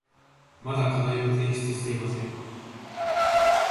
まだ課題を提出していません。